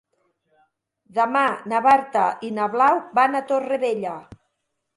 Demà na Marta i na Blau van a Torrevella.